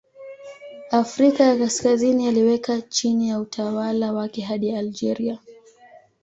Afrika ya Kaskazini aliweka chini ya utawala wake hadi Algeria.